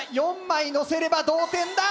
４枚のせれば同点だ。